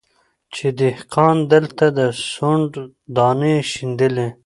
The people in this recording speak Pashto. چي دهقان دلته د سونډ دانې شیندلې